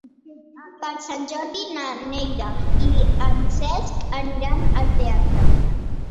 Per Sant Jordi na Neida i en Cesc aniran al teatre.